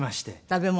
食べ物。